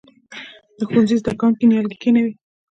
د ښوونځي زده کوونکي نیالګي کینوي؟